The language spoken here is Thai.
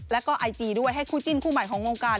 แล้วก็ไอจีด้วยให้คู่จิ้นคู่ใหม่ของวงการ